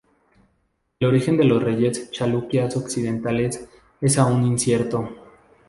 El origen de los reyes chalukyas occidentales es aún incierto.